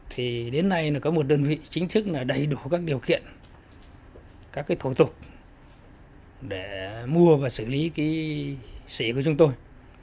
thì đến nay nó có một đơn vị chính thức là đầy đủ các điều kiện các cái thổ tục để mua và xử lý cái xì của chúng tôi